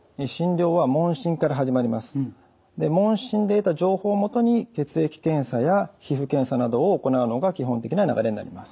問診で得た情報を基に血液検査や皮膚検査などを行うのが基本的な流れになります。